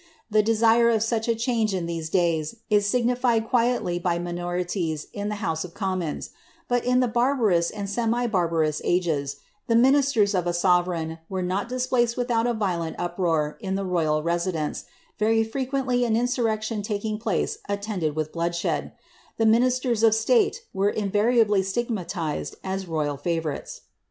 The desire of such change in these days, is signified quietly by minorities in the house of commons ; but in the barbarous and semi barbarous ages, the ministers of a sovereign were not displaced without a violent uproar in the royal residence, very frequently an insurrection taking place attended with bloodshed ; the ministers of state were invariably stigmatized as royal favourites.